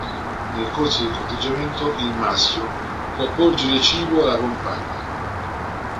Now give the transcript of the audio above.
Nel corso del corteggiamento il maschio può porgere cibo alla compagna.